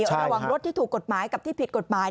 ระหว่างรถที่ถูกกฎหมายกับที่ผิดกฎหมาย